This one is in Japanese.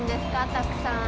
たくさん。